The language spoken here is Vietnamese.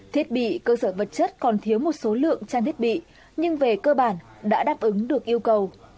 thiết bị cơ sở vật chất còn thiếu một số lượng trang thiết bị nhưng về cơ bản đã đáp ứng được yêu cầu